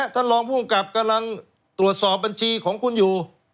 ท่านรองภูมิกับกำลังตรวจสอบบัญชีของคุณอยู่